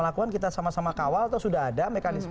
lakukan kita sama sama kawal sudah ada